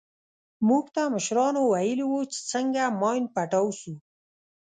موږ ته مشرانو ويلي وو چې څنگه ماين پټاو سو.